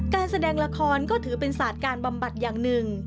การแสดงละครก็ถือเป็นศาสตร์การบำบัดอย่างหนึ่ง